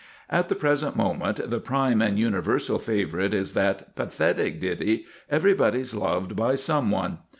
At the present moment the prime and universal favourite is that pathetic ditty, Everybody's Loved by Some One.